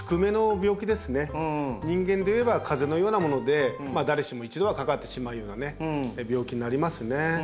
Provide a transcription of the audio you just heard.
人間でいえば風邪のようなもので誰しも一度はかかってしまうような病気になりますね。